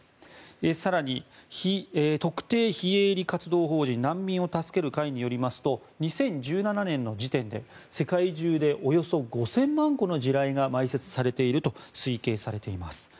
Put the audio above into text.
更に特定非営利活動法人難民を助ける会によりますと２０１７年の時点で世界中でおよそ５０００万個の地雷が埋設されていると推計されています。